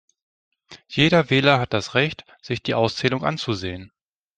Jeder Wähler hat das Recht, sich die Auszählung anzusehen.